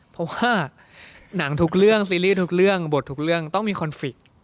เพราะว่าหนังทุกเรื่องซีรีส์ทุกเรื่องบททุกเรื่องต้องมีคอนฟิกต์